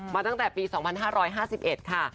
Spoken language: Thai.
ตั้งแต่ปี๒๕๕๑ค่ะ